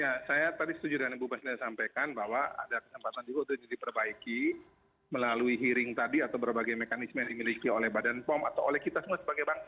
ya saya tadi setuju dengan ibu basna sampaikan bahwa ada kesempatan juga untuk diperbaiki melalui hearing tadi atau berbagai mekanisme yang dimiliki oleh badan pom atau oleh kita semua sebagai bank